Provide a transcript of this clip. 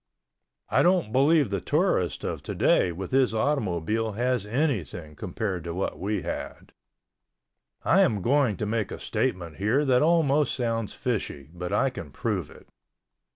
I don't believe the tourist of today with his automobile has anything compared to what we had. I am going to make a statement here that almost sounds fishy, but I can prove it.